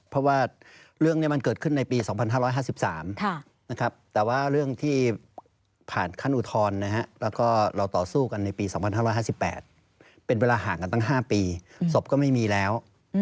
เป็นเวลาห่างกันทั้ง๕ปีสบก็ไม่มีแล้ว